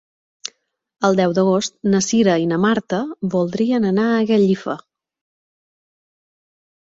El deu d'agost na Cira i na Marta voldrien anar a Gallifa.